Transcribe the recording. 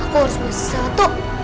aku harus berusaha toh